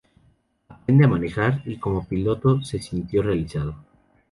Aprende a manejar y como piloto se sintió realizado.